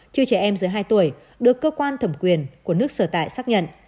trừ trẻ em dưới hai tuổi được cơ quan thẩm quyền của nước sở tại xác nhận